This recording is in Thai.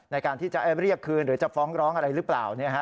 ในการที่จะเรียกคืนหรือจะฟ้องร้องอะไรหรือเปล่า